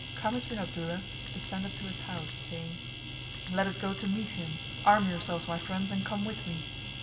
Khamis bin Abdullah descended to his house saying, "Let us go to meet him. Arm yourselves, my friends, and come with me."